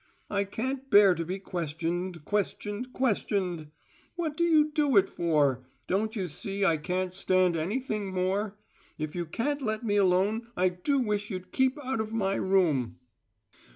I can't bear to be questioned, questioned, questioned! What do you do it for? Don't you see I can't stand anything more? If you can't let me alone I do wish you'd keep out of my room."